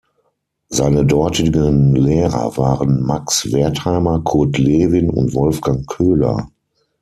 Seine dortigen Lehrer waren Max Wertheimer, Kurt Lewin und Wolfgang Köhler.